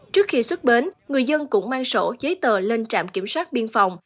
trước khi xuất bến người dân cũng mang sổ giấy tờ lên trạm kiểm soát biên phòng